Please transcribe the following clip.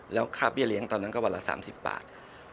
แล้วค่าเบี้ยเลี้ยงตอนนั้นก็วันละ๓๐บาท